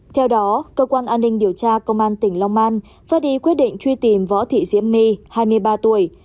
theo đó cơ quan an ninh điều tra công an tỉnh long an phát đi quyết định truy tìm võ thị diễm my hai mươi ba tuổi